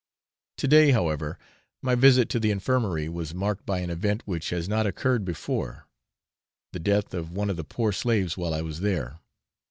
To day, however, my visit to the infirmary was marked by an event which has not occurred before the death of one of the poor slaves while I was there.